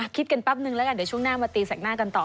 คิดกันแป๊บนึงแล้วกันเดี๋ยวช่วงหน้ามาตีแสกหน้ากันต่อ